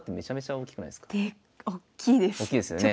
大きいですよね。